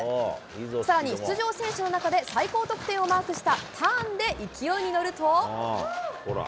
さらに出場選手の中で最高得点をマークしたターンで勢いに乗ると。